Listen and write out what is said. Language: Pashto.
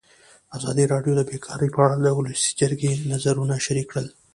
ازادي راډیو د بیکاري په اړه د ولسي جرګې نظرونه شریک کړي.